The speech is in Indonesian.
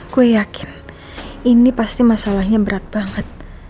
gue yakin ini pasti masalahnya berat banget